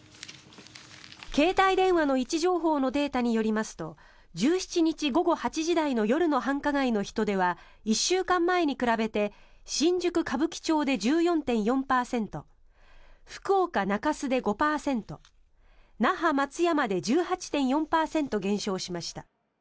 携帯電話の位置情報のデータによりますと１７日午後８時台の夜の繁華街の人出は１週間前に比べて新宿・歌舞伎町で１４．４％福岡・中洲で５％那覇・松山で１８．４％減少しました。